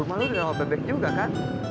rumah lu di rawa bebek juga kan